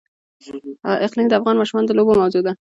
اقلیم د افغان ماشومانو د لوبو موضوع ده.